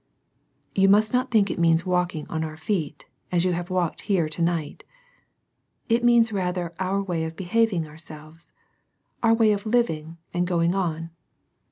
You must not think it means walking on our feet, as you have walked here to night. It means rather our way of behaving ourselves, — our way of living and going on.